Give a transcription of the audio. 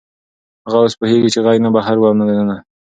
هغه اوس پوهېږي چې غږ نه بهر و او نه دننه.